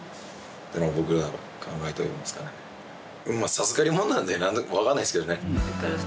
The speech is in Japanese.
授かり物なんで分かんないですけどね。